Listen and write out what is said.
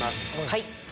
はい。